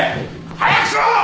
早くしろ！